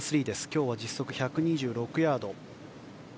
今日は実測１２６ヤード。